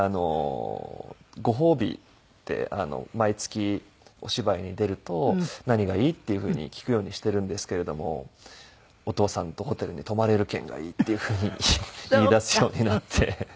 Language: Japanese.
ご褒美って毎月お芝居に出ると「何がいい？」っていうふうに聞くようにしてるんですけれども「お父さんとホテルに泊まれる券がいい」っていうふうに言い出すようになって。